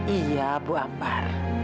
iya bu ambar